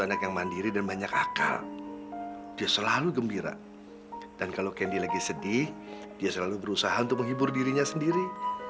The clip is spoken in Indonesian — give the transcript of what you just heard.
jadi dia selalu berusaha untuk menghibur dirinya sendiri